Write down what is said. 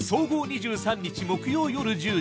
２３日木曜夜１０時。